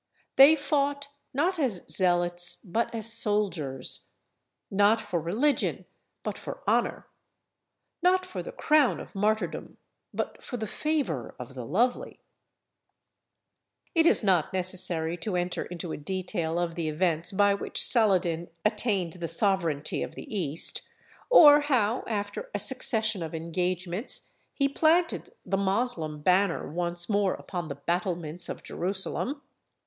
They fought, not as zealots, but as soldiers; not for religion, but for honour; not for the crown of martyrdom, but for the favour of the lovely. [Illustration: SEAL OF BARBAROSSA.] It is not necessary to enter into a detail of the events by which Saladin attained the sovereignty of the East, or how, after a succession of engagements, he planted the Moslem banner once more upon the battlements of Jerusalem.